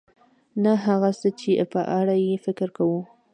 نه هغه څه چې په اړه یې فکر کوو .